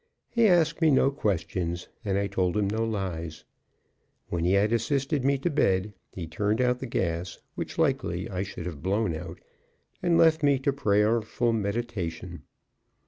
He asked me no questions, and I told him no lies. When he had assisted me to bed, he turned out the gas, which likely I should have blown out, and left me to prayerful meditation.